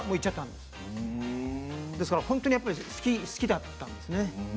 ですから本当に好きだったんですね。